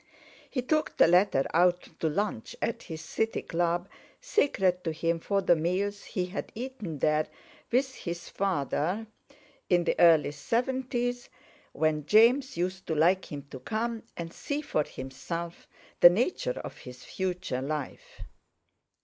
He took the letter out to lunch at his City Club, sacred to him for the meals he had eaten there with his father in the early seventies, when James used to like him to come and see for himself the nature of his future life.